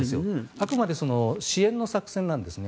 あくまで支援の作戦なんですね。